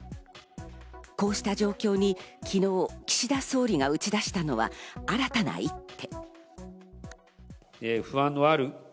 こうした状況に昨日、岸田総理が打ち出したのは新たな一手。